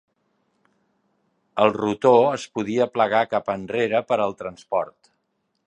El rotor es podia plegar cap enrere per al transport.